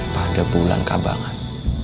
pada bulan kabangan